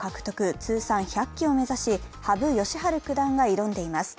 通算１００期を目指し羽生善治九段が挑んでいます。